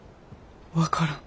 分からん。